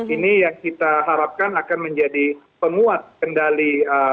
ini yang kita harapkan akan menjadi penguat kendali